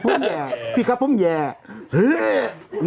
เป็นแย่ครับพูดใหญ่